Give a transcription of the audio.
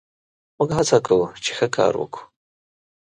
موږ هڅه کوو، چې ښه کار وکړو.